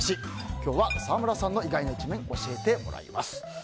今日は沢村さんの意外な一面教えてもらいます。